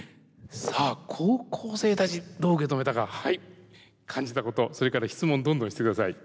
さあ高校生たちどう受け止めたかはい感じたことそれから質問どんどんしてください。